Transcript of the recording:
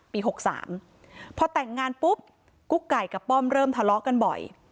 ๖๓พอแต่งงานปุ๊บกุ๊กไก่กับป้อมเริ่มทะเลาะกันบ่อย